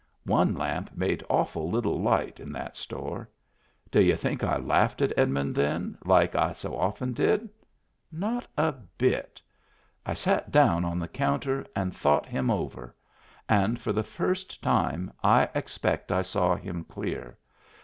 One lamp made awful little light in that store. D'y'u think I laughed at Edmund then, like I so often did ? Not a bit I sat down on the counter and thought him over. And for the first time I expect I saw him clear.